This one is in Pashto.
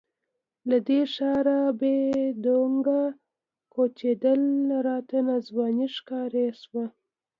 له دې ښاره بې ډونګه کوچېدل راته ناځواني ښکاره شوه.